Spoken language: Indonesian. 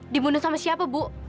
dibunuh sama siapa bu